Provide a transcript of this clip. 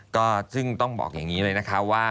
ก็ซึ่งต้องบอกอย่างนี้เลยนะคะว่า